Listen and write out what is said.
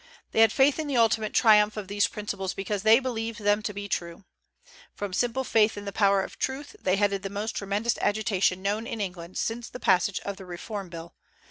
They had faith in the ultimate triumph of these principles because they believed them to be true. From simple faith in the power of truth they headed the most tremendous agitation known in England since the passage of the Reform Bill.